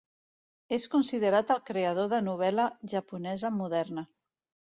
És considerat el creador de novel·la japonesa moderna.